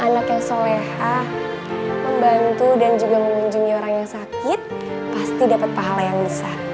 anak yang soleha membantu dan juga mengunjungi orang yang sakit pasti dapat pahala yang besar